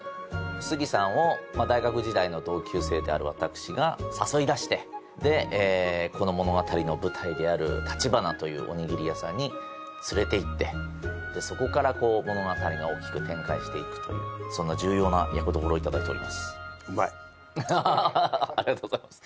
杉さんを大学時代の同級生である私が誘い出してでこの物語の舞台であるたちばなというおにぎり屋さんに連れて行ってでそこから物語が大きく展開していくというそんなありがとうございます